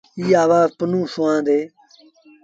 ايٚ آوآز پنهون سُوآندي۔